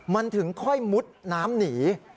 มันถึงค่อยมุดน้ำหนี